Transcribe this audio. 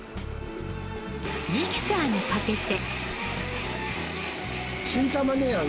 ミキサーにかけて。